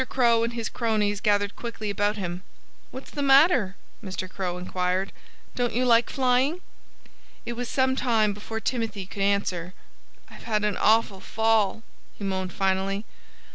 Crow and his cronies gathered quickly about him. "What's the matter?" Mr. Crow inquired. "Don't you like flying?" It was some time before Timothy could answer. "I've had an awful fall," he moaned finally.